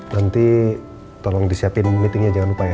nanti tolong disiapin meetingnya jangan lupa ya